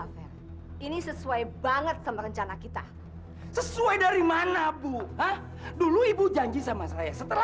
pengkhianat kamu fer